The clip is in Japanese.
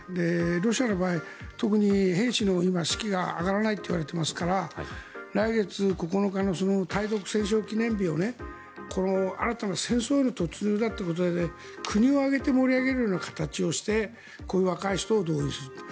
ロシアの場合特に兵士の士気が上がらないといわれていますから来月９日の対独戦勝記念日をこの新たな戦争への突入だということで国を挙げて盛り上げるような形をしてこういう若い人を動員する。